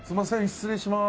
失礼します